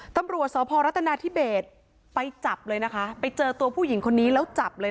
ตำรวจศพรตนาธิเบสไปเจอตัวผู้หญิงคนนี้แล้วจับเลย